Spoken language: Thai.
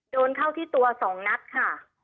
โดนเข้าที่ตัว๒นัดค่ะ